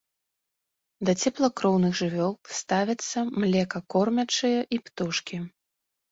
Да цеплакроўных жывёл ставяцца млекакормячыя і птушкі.